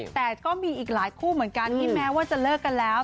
แต่ก็มีอีกหลายคู่เหมือนกันที่แม้ว่าจะเลิกกันแล้ว